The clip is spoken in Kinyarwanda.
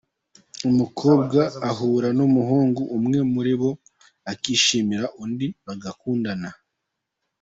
Umukobwa ahura n’umuhungu umwe muri bo akishimira undi bagakundana.